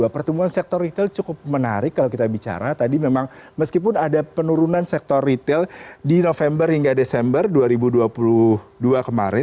pertumbuhan sektor retail cukup menarik kalau kita bicara tadi memang meskipun ada penurunan sektor retail di november hingga desember dua ribu dua puluh dua kemarin